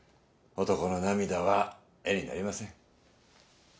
男の涙は絵になりません。